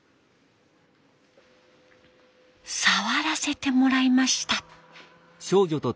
触らせてもらいました。